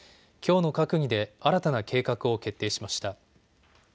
きょうの閣議で新たな計画を決定しました。